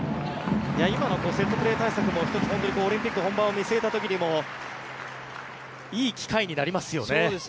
今のセットプレー対策もオリンピック本番を見据えた時にいい機会になりますよね。